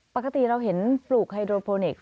ปกติเราเห็นปลูกไฮโดโพเนค